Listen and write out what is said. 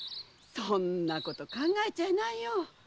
そんなこと考えちゃいないよ！